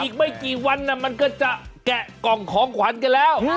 อีกไม่กี่วันมันก็จะแกะกล่องของขวัญกันแล้ว